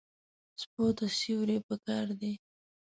سپي ته سیوري پکار دی.